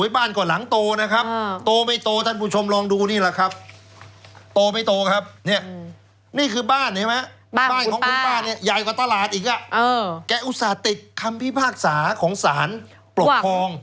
บ้านของคุณป้านใหญ่กว่าตลาดอีกแกอุตส่าห์ติดคำพิพากษาของสารปกครอง